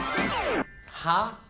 はあ？